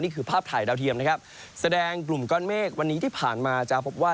ภาพถ่ายดาวเทียมนะครับแสดงกลุ่มก้อนเมฆวันนี้ที่ผ่านมาจะพบว่า